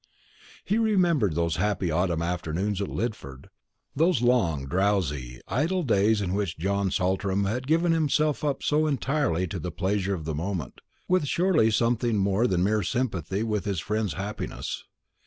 He remembered those happy autumn afternoons at Lidford; those long, drowsy, idle days in which John Saltram had given himself up so entirely to the pleasure of the moment, with surely something more than mere sympathy with his friend's happiness.